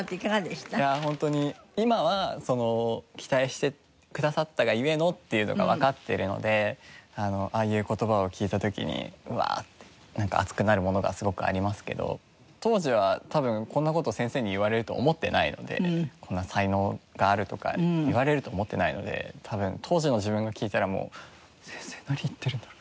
いやホントに今はその期待してくださったが故のっていうのがわかってるのでああいう言葉を聞いた時にうわあってなんか熱くなるものがすごくありますけど当時は多分こんな事を先生に言われると思ってないのでこんな「才能がある」とか言われると思ってないので多分当時の自分が聞いたらもう「先生何言ってるんだろう？」